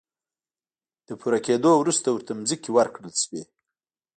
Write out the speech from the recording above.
له پوره کېدو وروسته ورته ځمکې ورکړل شوې.